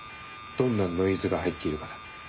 どんなノイズが入っているかだ。